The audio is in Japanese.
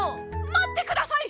まってください！